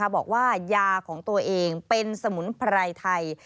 บอกว่ายาของตัวเองเป็นสมุนไพรไทย